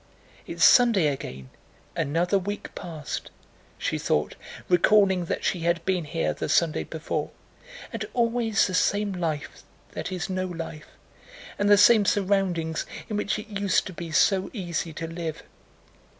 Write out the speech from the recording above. "It's Sunday again—another week past," she thought, recalling that she had been here the Sunday before, "and always the same life that is no life, and the same surroundings in which it used to be so easy to live.